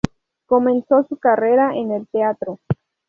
Comenzó su carrera en el teatro.